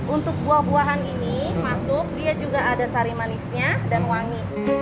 untuk buah buahan ini masuk dia juga ada sari manisnya dan wangi